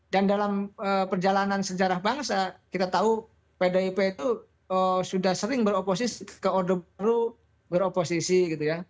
dan dalam perjalanan sejarah bangsa kita tahu pdip itu sudah sering beroposisi ke order baru beroposisi gitu ya